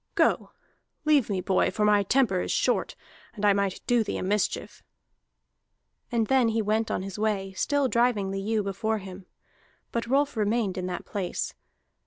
"Go, leave me, boy, for my temper is short, and I might do thee a mischief!" And then he went on his way, still driving the ewe before him; but Rolf remained in that place.